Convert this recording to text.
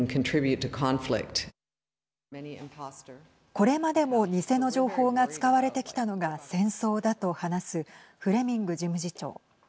これまでも偽の情報が使われてきたのが戦争だと話すフレミング事務次長。